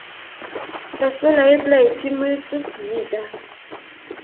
La sola ebla etimo estas jida.